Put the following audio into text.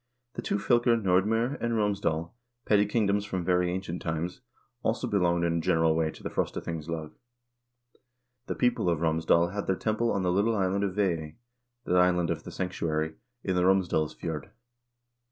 The two fylker Nordm0r and Romsdal, petty kingdoms from very ancient times, also belonged in a general way to the Frosta thingslag. The people of Romsdal had their temple on the little island of Veey (the island of the sanctuary) in the Romsdalsf jord.